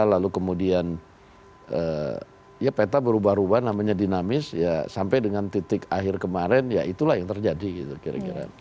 lalu kemudian ya peta berubah ubah namanya dinamis ya sampai dengan titik akhir kemarin ya itulah yang terjadi gitu kira kira